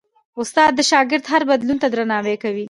استاد د شاګرد هر بدلون ته درناوی کوي.